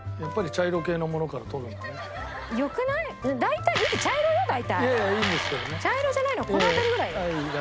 茶色じゃないのこの辺りぐらい。